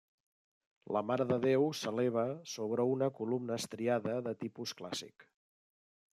La Mare de Déu s'eleva sobre una columna estriada de tipus clàssic.